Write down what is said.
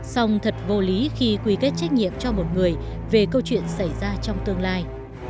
song thật vô lý khi quy kết trách nhiệm cho một người về câu chuyện xảy ra trong tương lai